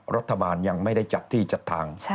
รัฐบาลยังไม่ได้จัดที่จัดทาง